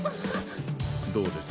どうです？